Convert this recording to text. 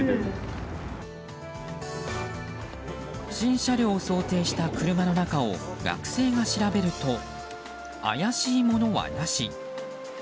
不審車両を想定した車の中を学生が調べると怪しいものはなし。